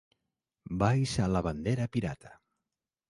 Va hissar la bandera pirata.